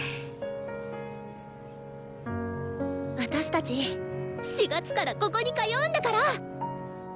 私たち４月からここに通うんだから！